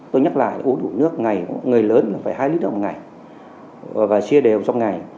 tôi nhắc lại uống đủ nước ngày người lớn là phải hai lít nước một ngày và chia đều trong ngày